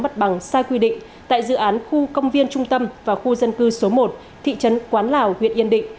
mặt bằng sai quy định tại dự án khu công viên trung tâm và khu dân cư số một thị trấn quán lào huyện yên định